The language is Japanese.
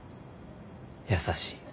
優しい。